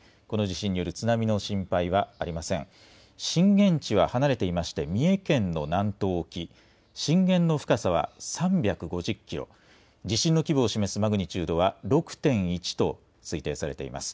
震源地は離れていまして、三重県の南東沖、震源の深さは３５０キロ、地震の規模を示すマグニチュードは６．１と推定されています。